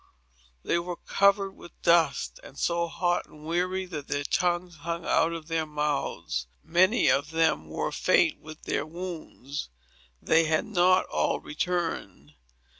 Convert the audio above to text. They were covered with dust, and so hot and weary that their tongues hung out of their mouths. Many of them were faint with wounds. They had not all returned.